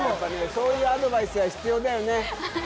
そういうアドバイスは必要だよね